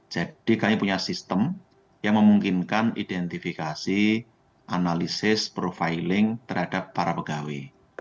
jadi kami punya sistem yang memungkinkan identifikasi analisis profiling terhadap para pegawai